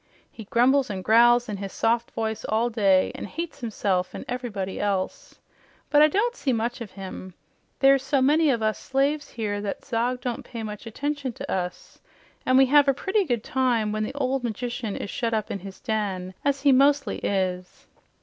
He grumbles an' growls in his soft voice all day, an' hates himself an' everybody else. But I don't see much of him. There's so many of us slaves here that Zog don't pay much attention to us, an' we have a pretty good time when the ol' magician is shut up in his den, as he mostly is."